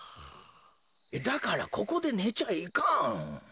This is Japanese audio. だからここでねちゃいかん。